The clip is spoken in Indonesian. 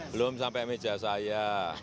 belum sampai meja saya